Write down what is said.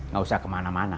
gak usah kemana mana